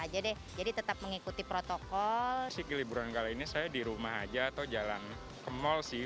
aja deh jadi tetap mengikuti protokol sih liburan kali ini saya di rumah aja atau jalan ke mall sih